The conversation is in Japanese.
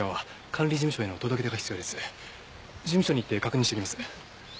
事務所に行って確認してきます。